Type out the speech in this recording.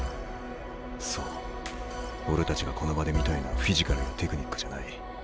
そう俺たちがこの場で見たいのはフィジカルやテクニックじゃない。